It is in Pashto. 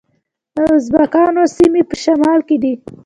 د ازبکانو سیمې په شمال کې دي